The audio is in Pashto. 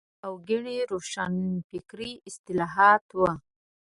د ښي او کيڼ روښانفکري اصطلاحات وو.